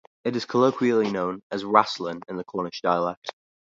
It is colloquially known as "wrasslin" in the Cornish dialect.